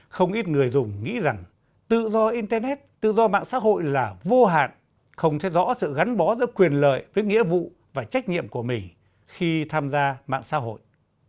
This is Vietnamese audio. không ít người dùng nghĩ rằng tự do internet tự do mạng xã hội là vô hạn không thấy rõ sự gắn bó giữa quyền lợi với nghĩa vụ và trách nhiệm của mình khi tham gia mạng xã hội